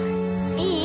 いい？